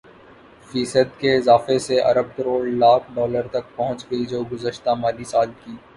فیصد کے اضافے سے ارب کروڑ لاکھ ڈالر تک پہنچ گئی جو گزشتہ مالی سال کی